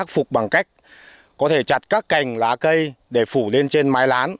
phục bằng cách có thể chặt các cành lá cây để phủ lên trên mái lán